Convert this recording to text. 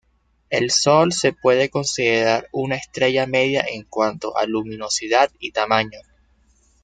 El Sol se puede considerar una estrella media en cuanto a luminosidad y tamaño.